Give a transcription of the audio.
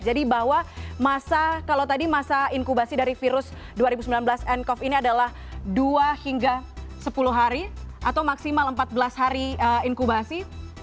jadi bahwa masa kalau tadi masa inkubasi dari virus dua ribu sembilan belas ncov ini adalah dua hingga sepuluh hari atau maksimal empat belas hari inkubasi